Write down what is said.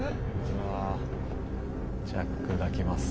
うわあジャックが来ます。